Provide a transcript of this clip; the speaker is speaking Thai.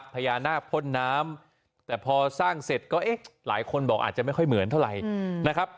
พญานาคพ่นน้ำแต่พอสร้างเสร็จก็เอ๊ะหลายคนบอกอาจจะไม่ค่อยเหมือนเท่าไหร่นะครับ